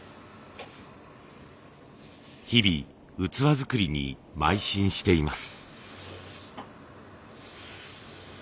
日々器作りにまい進しています。